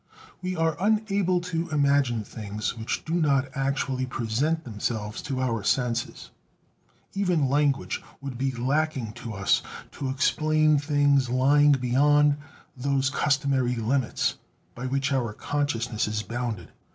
We are unable to "imagine" things which do not actually present themselves to our senses; even language would be lacking to us to explain things lying beyond those customary limits by which our consciousness is bounded.